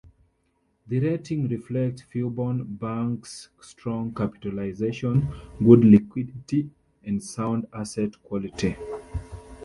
The rating reflects Fubon Bank's strong capitalization, good liquidity and sound asset quality.